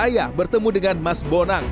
ayah bertemu dengan mas bonang